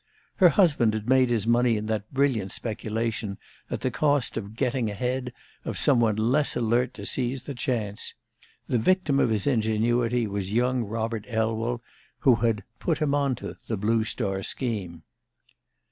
Her husband had made his money in that brilliant speculation at the cost of "getting ahead" of some one less alert to seize the chance; the victim of his ingenuity was young Robert Elwell, who had "put him on" to the Blue Star scheme.